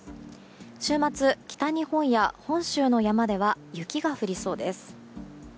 週末、北日本や本州の山では雪が降りそうです。